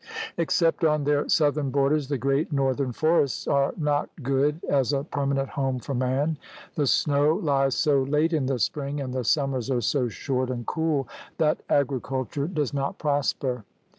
Except on their southern borders the great northern forests are not good as a permanent home for man. The snow lies so late in the spring and the summers are so short and cool that agriculture does not prosper.